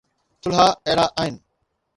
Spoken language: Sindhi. ٿلها اهڙا آهن